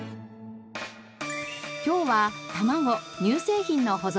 今日は卵・乳製品の保存法です。